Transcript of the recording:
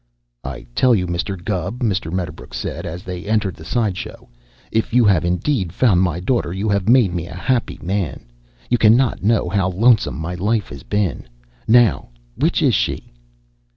"I tell you, Mr. Gubb," Mr. Medderbrook said, as they entered the side show, "if you have indeed found my daughter you have made me a happy man. You cannot know how lonesome my life has been. Now, which is she?"